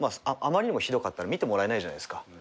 あまりにもひどかったら見てもらえないじゃないっすか。